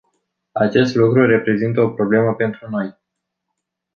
Acest lucru reprezintă o problemă pentru noi.